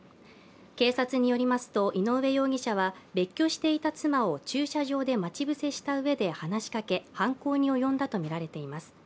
警察によりますと井上容疑者は別居していた妻を駐車場で待ち伏せしたうえで話しかけ犯行に及んだとみられています。